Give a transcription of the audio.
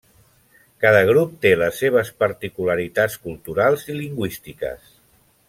Cada grup té les seves particularitats culturals i lingüístiques.